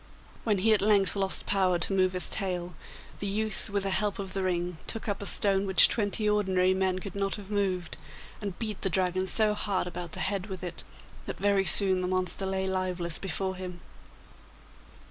When he at length lost power to move his tail, the youth with the help of the ring took up a stone which twenty ordinary men could not have moved, and beat the Dragon so hard about the head with it that very soon the monster lay lifeless before him.